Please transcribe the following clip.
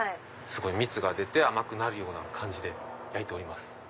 すごい蜜が出て甘くなるような感じで焼いてます。